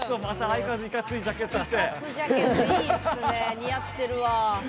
似合ってるわ。